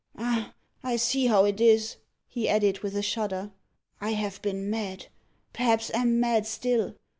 "Ah! I see how it is," he added, with a shudder; "I have been mad perhaps am mad still.